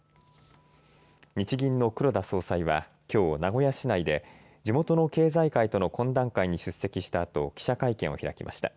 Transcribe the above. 日銀の黒田総裁はきょう、名古屋市内で、地元の経済界との懇談会に出席したあと、記者会見を開きました。